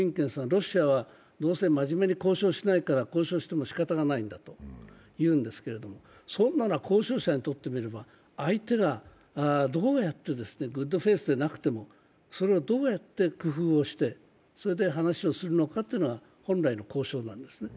ロシアはどうせ真面目に交渉しないから、交渉してもしかたないんだと言うんですが、そんなのは交渉者にとってみれば、相手がどうやってグッドフェイスでなくても、それをどうやって工夫して話をするのかというのが本来の交渉なんですね。